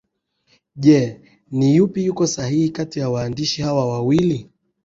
Je ni yupi yuko sahihi kati ya waandishi hawa wawili